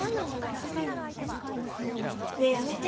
ねえやめて。